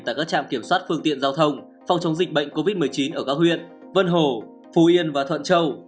tại các trạm kiểm soát phương tiện giao thông phòng chống dịch bệnh covid một mươi chín ở các huyện vân hồ phú yên và thuận châu